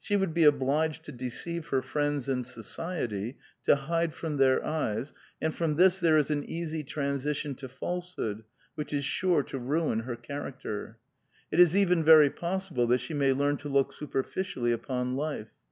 She would be obliged to deceive her friends and society, to hide from their eyes, and from this there is an easy transition to falsehood, which is sure to ruin her charactcT. It is even very possible that she may learn to look superficially upon life.